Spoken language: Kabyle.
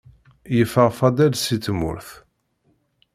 Yeffeɣ Faḍil si tmurt.